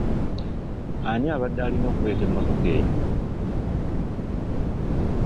Ani abadde alina okuleeta emmotoka eyo?